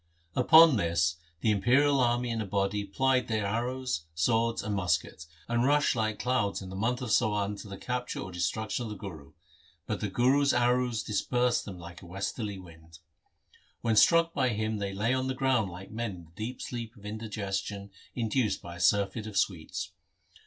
Upon this the Imperial army in a body plied their arrows, swords, and muskets, and rushed like clouds in the month of Sawan to the capture or destruction of the Guru, but the Guru's arrows dispersed them like a westerly wind. When struck by him they lay on the ground like men in the deep sleep of indigestion induced by a surfeit of sweets.